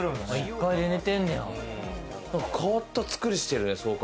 変わったつくりしてるね。